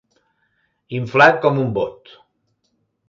Inflat com un bot.